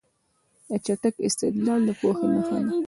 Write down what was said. چټک استدلال د پوهې نښه ده.